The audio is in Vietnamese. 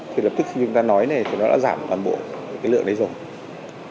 thì lập tức khi chúng ta nói này thì nó đã giảm toàn bộ cái lượng đấy rồi